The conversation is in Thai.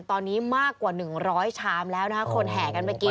ตอนนี้มากกว่า๑๐๐ชามแล้วนะคะคนแห่กันไปกิน